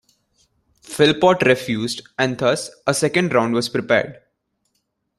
Philpot refused and thus a second round was prepared.